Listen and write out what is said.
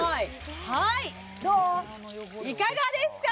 はいいかがですか？